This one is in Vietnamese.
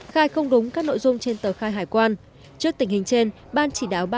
khai không đúng các nội dung trên tờ khai hải quan